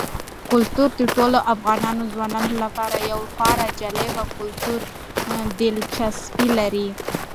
کلتور د ټولو افغان ځوانانو لپاره یوه خورا جالب کلتوري دلچسپي لري.